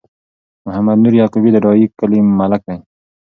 محمد نور یعقوبی د ډایی کلی ملک دی